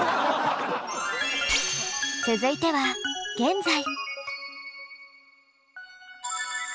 続いては現在。